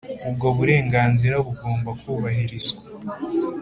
ubwo burenganzira bugomba kubahirizwa